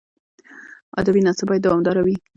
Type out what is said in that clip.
ادبي ناسته باید دوامداره وي.